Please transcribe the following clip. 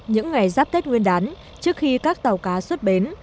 những ngày giáp tết nguyên đán trước khi các tàu cá xuất bến